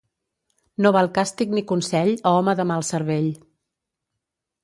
No val càstig ni consell a home de mal cervell.